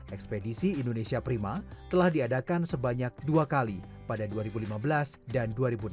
ekspedisi indonesia prima telah diadakan sebanyak dua kali pada dua ribu lima belas dan dua ribu enam belas